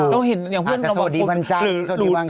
เราเห็นอย่างเพื่อนเราบอกคุณอาจจะโซดีบัญชากร